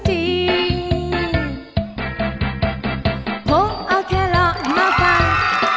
ผมเอาแคโรตมาฟัง